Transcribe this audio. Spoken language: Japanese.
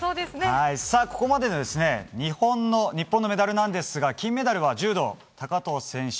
ここまでの日本のメダルなんですが金メダルは柔道、高藤選手